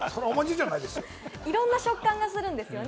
いろんな食感がするんですよね。